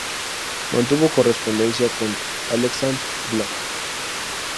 Mantuvo correspondencia con Aleksandr Blok.